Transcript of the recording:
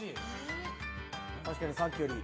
確かにさっきより。